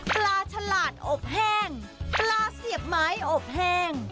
ปลาฉลาดอบแห้งปลาเสียบไม้อบแห้ง